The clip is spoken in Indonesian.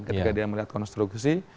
ketika dia melihat konstruksi